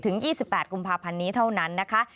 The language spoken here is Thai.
๒๘กุมภาพันธ์นี้เท่านั้นนะคะ